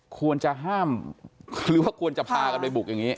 ควรจะห้ามหรือว่าควรจะพากันไปบุกอย่างนี้